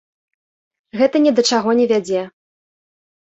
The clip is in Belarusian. Гэта ні да чаго не вядзе.